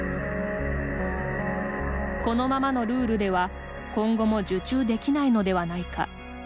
このままのルールでは今後も受注できないのではないか。